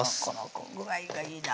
この具合がいいな